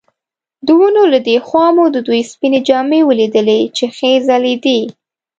د ونو له دې خوا مو د دوی سپینې جامې ولیدلې چې ښې ځلېدې.